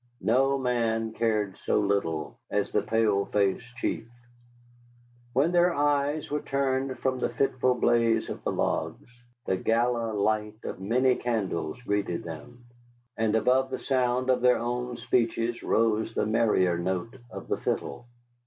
No man cared so little as the Pale Face Chief. When their eyes were turned from the fitful blaze of the logs, the gala light of many candles greeted them. And above the sound of their own speeches rose the merrier note of the fiddle.